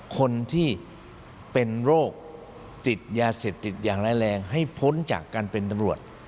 คนที่เป็นโรคติดยาเสพติดอย่างร้ายแรงให้พ้นจากการเป็นตำรวจ